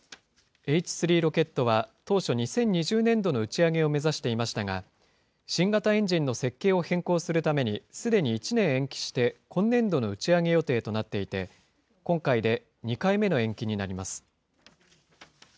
Ｈ３ロケットは、当初、２０２０年度の打ち上げを目指していましたが、新型エンジンの設計を変更するために、すでに１年延期して今年度の打ち上げ予定となっていて、今回で２回目の延期になります。